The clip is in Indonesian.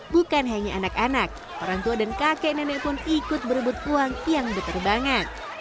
bukan hanya anak anak orang tua dan kakek nenek pun ikut berebut uang yang berterbangan